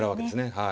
はい。